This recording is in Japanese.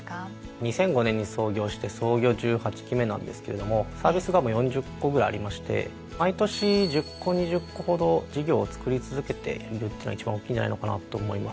２００５年に創業して創業１８期目なんですけれどもサービスが４０個ぐらいありまして毎年１０個２０個ほど事業をつくり続けているっていうのが一番大きいんじゃないのかなと思います。